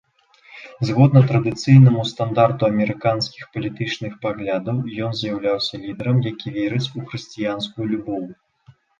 Згодна традыцыйнаму стандарту амерыканскіх палітычных паглядаў, ён з'яўляўся лідарам, які верыць у хрысціянскую любоў.